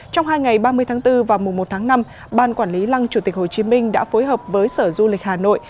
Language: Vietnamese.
trong hai ngày ba mươi tháng bốn và mùa một tháng năm ban quản lý lăng chủ tịch hồ chí minh đã phối hợp với sở du lịch hà nội